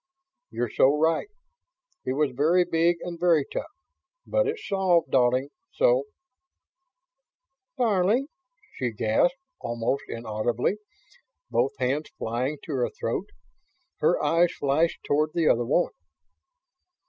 "You're so right. It was very big and very tough. But it's solved, darling, so ..." "Darling?" she gasped, almost inaudibly, both hands flying to her throat. Her eyes flashed toward the other woman.